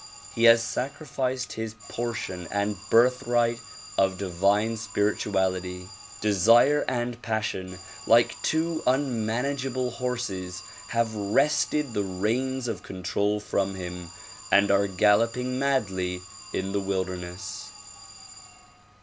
He has sacrificed his portion and birthright of divine spirituality. Desire and passion like two unmanageable horses have wrested the reins of control from him and are galloping madly in the wilderness.